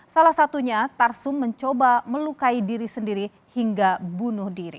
salah satunya tarsum mencoba melukai diri sendiri hingga bunuh diri